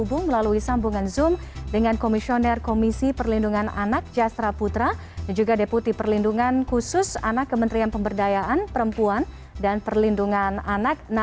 dalam kategori anak yang kehilangan